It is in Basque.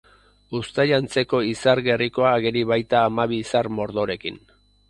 Uztai antzeko izar-gerrikoa ageri baita hamabi izar mordorekin